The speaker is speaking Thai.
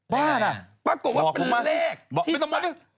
บ้าหน่ะบอกผมมาซิ